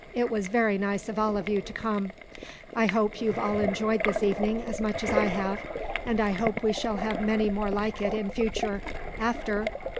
It was very nice of all of you to come. I hope you've all enjoyed this evening as much as I have, and I hope we shall have many more like it in future, after...."